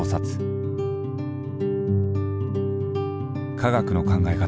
科学の考え方